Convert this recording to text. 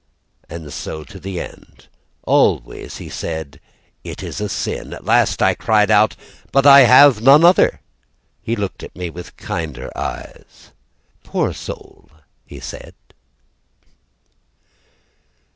And so to the end. Always He said: "It is a sin." At last, I cried out: "But I have non other." He looked at me With kinder eyes. "Poor soul," he said.